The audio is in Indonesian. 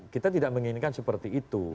kita tidak menginginkan seperti itu